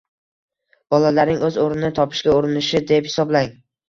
Bolalarning o‘z o‘rnini topishga urinishi deb hisoblang.